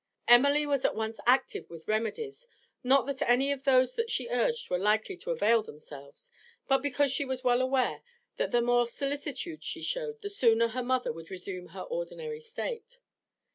Emily was at once active with remedies, not that any of those that she urged were likely to avail themselves, but because she was well aware that the more solicitude she showed the sooner her mother would resume her ordinary state.